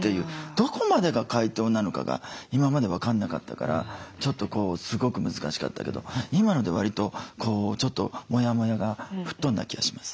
どこまでが解凍なのかが今まで分かんなかったからちょっとすごく難しかったけど今のでわりとちょっとモヤモヤが吹っ飛んだ気がします。